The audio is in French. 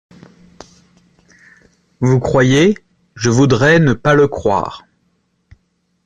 Vous croyez ? Je voudrais ne pas le croire.